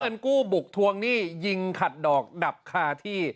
เงินกู้บุกทวงหนี้ยิงขัดดอกดับคาที่